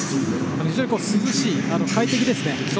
非常に涼しくて快適ですね。